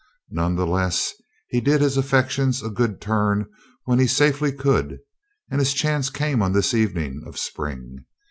None the less, he did his affections a good turn when he safely could and his chance came on this evening of spring.